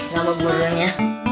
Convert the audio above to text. gak mau pulangnya